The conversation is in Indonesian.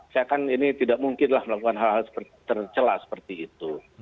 saya kan ini tidak mungkinlah melakukan hal hal tercelah seperti itu